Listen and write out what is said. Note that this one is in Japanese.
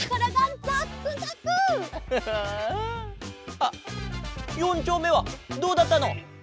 あっ４ちょうめはどうだったの？